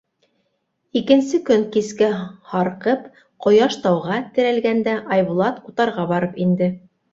Икенсе көн кискә һарҡып, ҡояш тауға терәлгәндә Айбулат утарға барып инде.